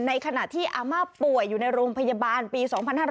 ในขณะที่อาม่าป่วยอยู่ในโรงพยาบาลปี๒๕๕๙